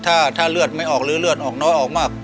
ถ้าเลือดไม่ออกหรือเลือดออกน้อยออกมาก